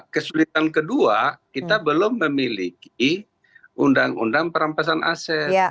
kesulitan kedua kita belum memiliki undang undang perampasan aset